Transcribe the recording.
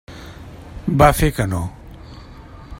Va fer que no.